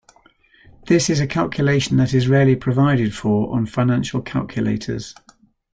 This is a calculation that is rarely provided for on financial calculators.